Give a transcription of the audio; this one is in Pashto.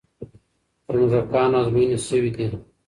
پر موږکانو ازموینې شوې دي.